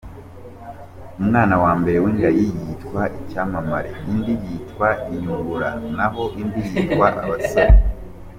Umwana wambere w’ingagi yiswa Icyamamare, indi yitwa Inyungura, naho indi yitwa Abasore.